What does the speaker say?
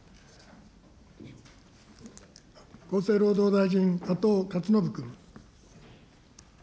厚生労働大臣、加藤勝信君。